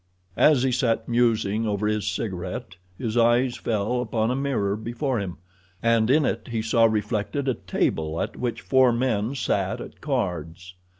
As he sat musing over his cigarette his eyes fell upon a mirror before him, and in it he saw reflected a table at which four men sat at cards.